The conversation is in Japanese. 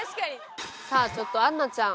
さあちょっと杏奈ちゃん。